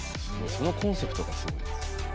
そのコンセプトがすごい。